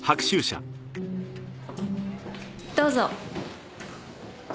どうぞ。